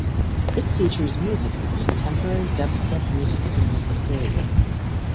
It features music of the contemporary dubstep music scene of the period.